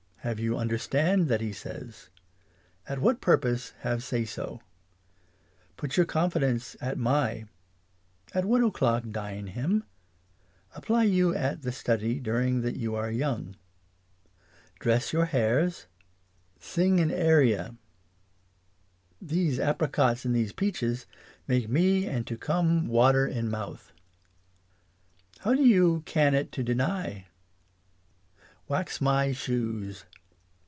Have you understand that he says ? At what purpose have say so ? Put your confidence at my. At what o'clock dine him ? Apply you at the study during that you are young. Dress your hairs. Sing an area. These apricots and these peaches make me and to come water in mouth. 1 8 English as she is spoke. How do you can it to deny ? Wax my shoes.